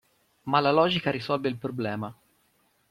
Ma la logica risolve il problema.